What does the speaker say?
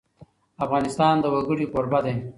افغانستان د وګړي کوربه دی.